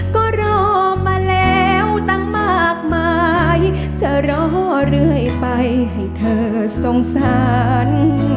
ก็รอมาแล้วตั้งมากมายจะรอเรื่อยไปให้เธอสงสาร